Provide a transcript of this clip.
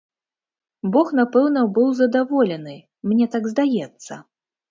Бог напэўна быў задаволены, мне так здаецца.